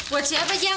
buat siapa jam